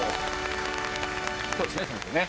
そうですね先生ね。